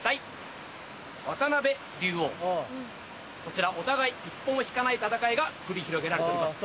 こちらお互い一歩も引かない戦いが繰り広げられております。